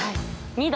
２度。